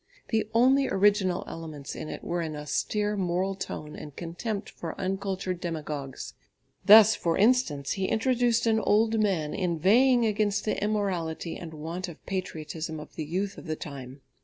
The only original elements in it were an austere moral tone and contempt for uncultured demagogues. Thus, for instance, he introduced an old man inveighing against the immorality and want of patriotism of the youth of the time.